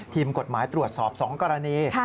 ทีมกฎหมายตรวจสอบ๒กรณี